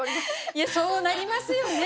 いやそうなりますよね！